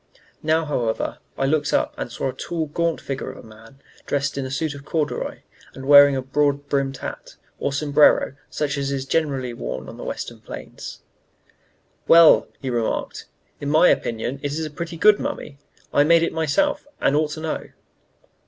Now, however, I looked up and saw a tall, gaunt figure of a man dressed in a suit of corduroy, and wearing a broad brimmed hat, or sombrero, such as is generally worn on the Western plains. "Well," he remarked, "in my opinion, it is a pretty good mummy. I made it myself, and ought to know."